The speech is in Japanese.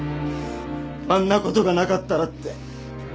あんな事がなかったらって。